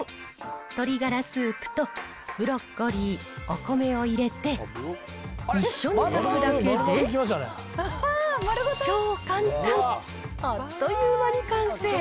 鶏がらスープとブロッコリー、お米を入れて、一緒に炊くだけで、超簡単、あっという間に完成。